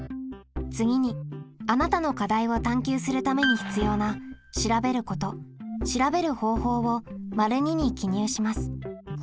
次にあなたの課題を探究するために必要な「調べること」「調べる方法」を②に記入します。